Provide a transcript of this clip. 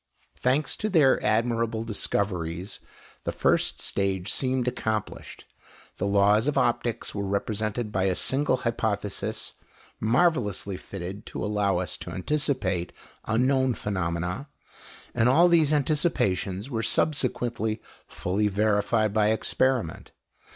Thanks to their admirable discoveries, the first stage seemed accomplished, the laws of optics were represented by a single hypothesis, marvellously fitted to allow us to anticipate unknown phenomena, and all these anticipations were subsequently fully verified by experiment.